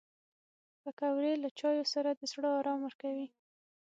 پکورې له چایو سره د زړه ارام ورکوي